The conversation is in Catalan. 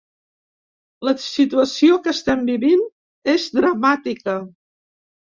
La situació que estem vivint és dramàtica.